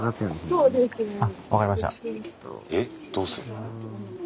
えっどうする？